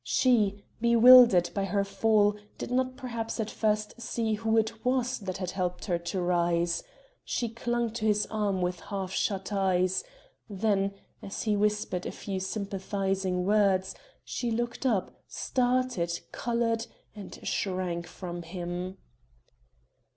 She, bewildered by her fall, did not perhaps at first see who it was that had helped her to rise; she clung to his arm with half shut eyes; then, as he whispered a few sympathizing words, she looked up, started, colored, and shrank from him.